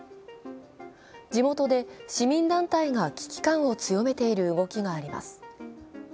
地元で市民団体が危機感を強めている動きがあります。